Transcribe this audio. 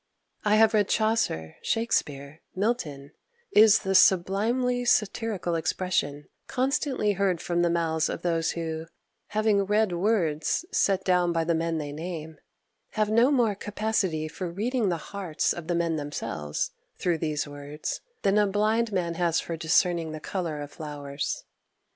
"I have read Chaucer, Shakspere, Milton," is the sublimely satirical expression constantly heard from the mouths of those who, having read words set down by the men they name, have no more capacity for reading the hearts of the men themselves, through those words, than a blind man has for discerning the colour of flowers.